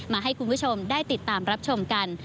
มาให้คุณผู้ชมได้ติดตามรับชมกัน